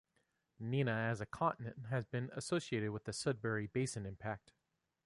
Nena as a continent has been associated with the Sudbury Basin Impact.